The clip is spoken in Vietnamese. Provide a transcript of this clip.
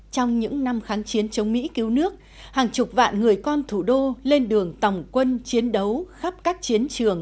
trong những năm kháng chiến chống mỹ cứu nước hàng chục vạn người con thủ đô lên đường tòng quân chiến đấu khắp các chiến trường